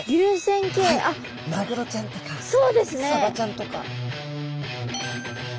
マグロちゃんとかサバちゃんとか。